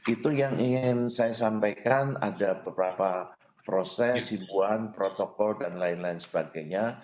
itu yang ingin saya sampaikan ada beberapa proses himbuan protokol dan lain lain sebagainya